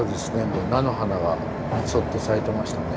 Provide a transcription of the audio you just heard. もう菜の花がちょっと咲いてましたね。